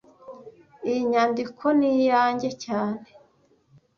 Iyi nyandiko niyanjye cyane